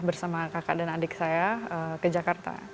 bersama kakak dan adik saya ke jakarta